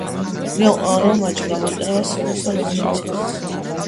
რომაჯი გამოიყენება სხვადასხვა მიზნისთვის.